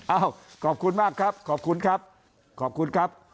ขอบคุณมากครับขอบคุณครับขอบคุณครับ